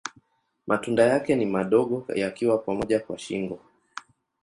Matunda yake ni madogo yakiwa pamoja kwa shingo.